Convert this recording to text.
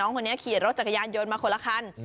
คนนี้ขี่รถจักรยานยนต์มาคนละคัน